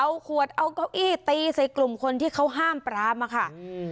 เอาขวดเอาเก้าอี้ตีใส่กลุ่มคนที่เขาห้ามปรามอะค่ะอืม